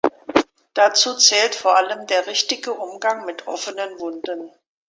Dazu zählt vor allem der richtige Umgang mit offenen Wunden.